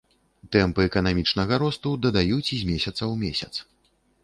Тэмпы эканамічнага росту дадаюць з месяца ў месяц.